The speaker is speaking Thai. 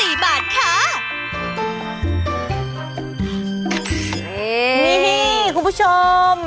นี้นี่คุณผู้ชม